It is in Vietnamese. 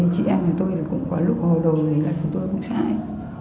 chị em tôi cũng có lúc hồi đầu thì là chúng tôi cũng sai